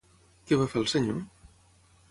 Què va fer el senyor?